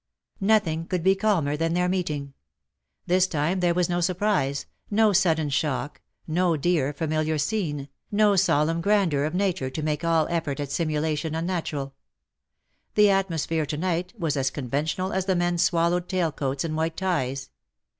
Nothing could be calmer than their meeting. This time there was no surprise, no sudden shock, no dear familiar scene, no solemn grandeur of r 2 212 ^^Bl/T IT SUFFICETH, Nature to make all effort at simulation unnatural. The atmosphere to night was as conventional as the men's swallowed tailed coats and white ties.